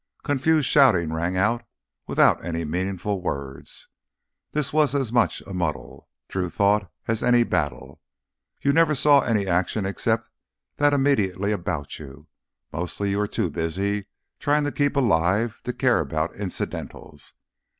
Confused shouting rang out, without any meaningful words. This was as much a muddle, Drew thought, as any battle. You never saw any action except that immediately about you—mostly you were too busy trying to keep alive to care about incidentals.